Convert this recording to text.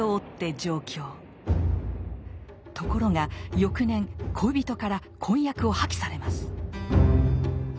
ところが翌年恋人から婚約を破棄されます。